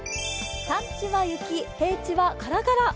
山地は雪、平地はカラカラ。